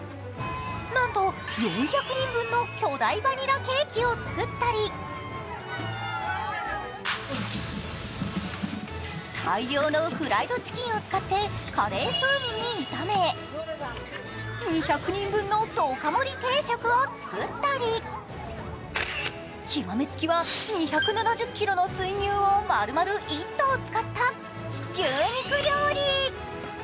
なんと、４００人分の巨大バニラケーキを作ったり、大量のフライドチキンを使ってカレー風味に炒め、２００人分のドカ盛り定食を作ったり極み付きは２７０ｋｇの水牛を丸々１頭使った牛肉料理。